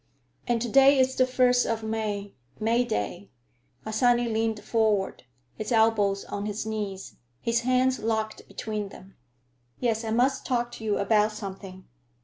"And to day is the first of May; May day." Harsanyi leaned forward, his elbows on his knees, his hands locked between them. "Yes, I must talk to you about something.